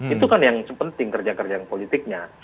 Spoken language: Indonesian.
itu kan yang sepenting kerja kerjaan politiknya